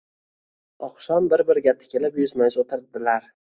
Oqshom bir-biriga tikilib, yuzma-yuz o‘tirdilar.